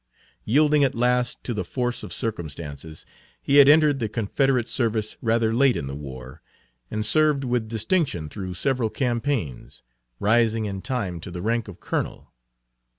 Yielding at last to the force of circumstances, he had entered the Confederate service rather late in the war, and served with distinction through several campaigns, rising in time to the rank of colonel.